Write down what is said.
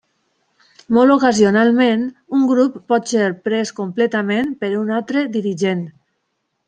Molt ocasionalment, un grup pot ser pres completament per un altre dirigent.